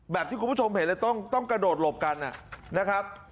แบบที่คุณผู้ชมเห็นเลยต้องกระโดดหลบกันนะครับ